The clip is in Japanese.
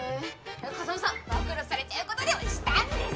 風真さん暴露されちゃうことでもしたんですか？